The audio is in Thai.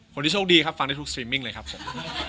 โชคดีครับฟังได้ทุกซีมิ้งเลยครับผม